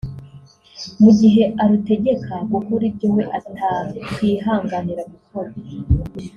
mu gihe arutegeka gukora ibyo we atakwihanganira gukora